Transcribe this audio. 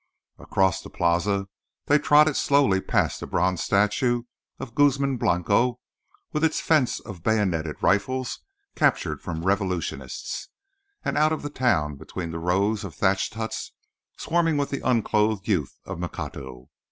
Across the plaza they trotted slowly past the bronze statue of Guzman Blanco, within its fence of bayoneted rifles captured from revolutionists, and out of the town between the rows of thatched huts swarming with the unclothed youth of Macuto.